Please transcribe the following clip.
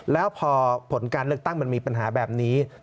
แล้วพอผลการเลือกตั้งมันมีปัญหาแบบนี้